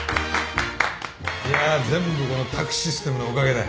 いや全部この宅・システムのおかげだよ。